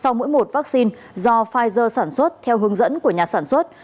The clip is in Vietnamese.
bộ y tế đã tiêm mũi hai vaccine do pfizer sản xuất theo hướng dẫn của nhà sản xuất